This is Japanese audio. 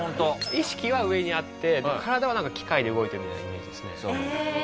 意識は上にあって体は機械で動いてるみたいなイメージですね。